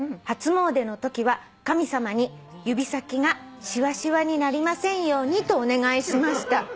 「初詣のときは神様に指先がしわしわになりませんようにとお願いしました」